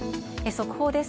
速報です。